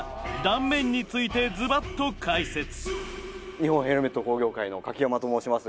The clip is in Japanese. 日本ヘルメット工業会の柿山と申します。